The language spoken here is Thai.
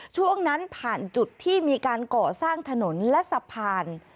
ช่วงนั้นผ่านจุดที่มีการก่อสร้างถนนและสะพาน